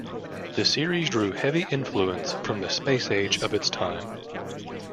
The series drew heavy influence from the Space Age of its time.